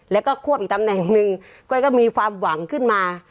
แล้วก็ควบอีกตำแหน่งหนึ่งก้อยก็มีความหวังขึ้นมา